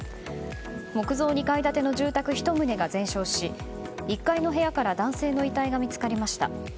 木造２階建ての住宅１棟が全焼し１階の部屋から男性の遺体が見つかりました。